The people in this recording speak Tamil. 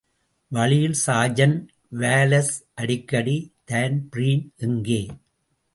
வழியில் சார்ஜென்ட் வாலஸ் அடிக்கடி, தான்பிரீன் எங்கே?